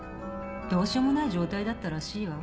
どうしようもない状態だったらしいわ。